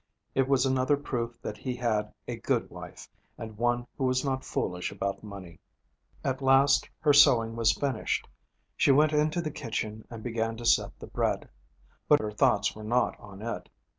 It was another proof that he had a good wife, and one who was not foolish about money. At last, her sewing was finished. She went into the kitchen and began to set the bread. But her thoughts were not on it.